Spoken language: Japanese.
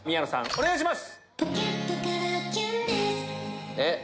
お願いします。